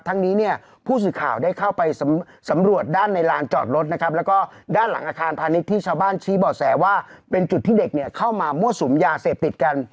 ทั้งนี้เนี่ยผู้สื่อข่าวได้เข้าไปสำรวจด้านในลานจอดรถนะครับแล้วก็ด้านหลังอาคารพาณิชย์ที่ชาวบ้านชี้บ่อแสว่าเป็นจุดที่เด็กเนี่ยเข้ามามั่วสุมยาเสพติดกัน